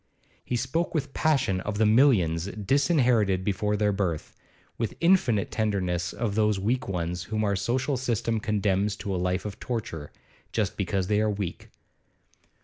He spoke with passion of the millions disinherited before their birth, with infinite tenderness of those weak ones whom our social system condemns to a life of torture, just because they are weak.